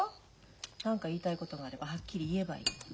何か言いたいことがあればはっきり言えばいいのに。